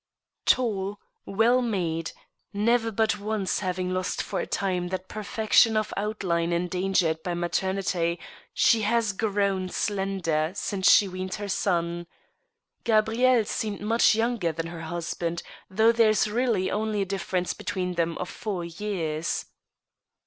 Tall, well made, never but once having lost for a time that per fection of outline endangered by maternity, she has grown slender since she weaned her son. Gabrielle seems much younger than her husband, though there is really only a difference between them of four years.